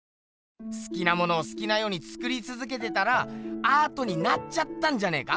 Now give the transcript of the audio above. すきなものをすきなようにつくりつづけてたらアートになっちゃったんじゃねえか？